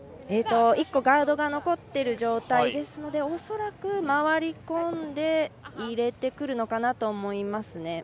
１個、ガードが残っている状態ですので恐らく回り込んで入れてくるのかなと思いますね。